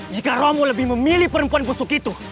jika romo lebih memilih perempuan busuk itu